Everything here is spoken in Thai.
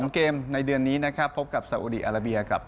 เกมในเดือนนี้นะครับพบกับสาอุดีอาราเบียกับ